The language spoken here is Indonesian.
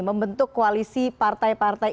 membentuk koalisi partai partai